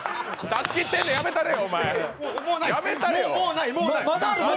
出し切ってんの、やめたれよ。